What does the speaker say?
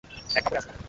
এক কাপড়ে আসো।